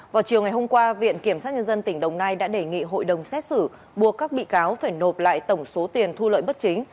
vào chiều ngày hôm qua viện kiểm sát nhân dân tỉnh đồng nai đã đề nghị hội đồng xét xử buộc các bị cáo phải nộp lại tổng số tiền thu lợi bất chính